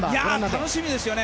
楽しみですよね。